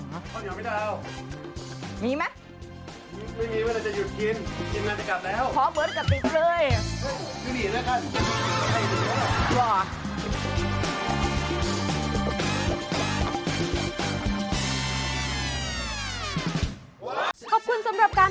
ข้าวเหนียวไหมดาว